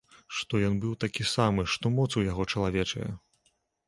Што ён быў такі самы, што моц у яго чалавечая!